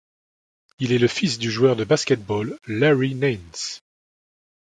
Il est le fils du joueur de basketball Larry Nance.